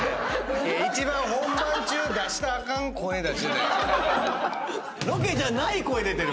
一番本番中出したらあかん声出してた今。